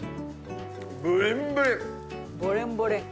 ブリンブリン！